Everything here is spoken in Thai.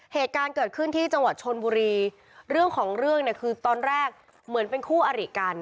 เหตุการณ์เกิดขึ้นที่จังหวัดชนบุรีเรื่องของเรื่องเนี่ยคือตอนแรกเหมือนเป็นคู่อริกัน